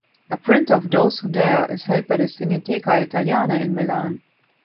A print of "Those Who Dare" is held by the Cineteca Italiana in Milan.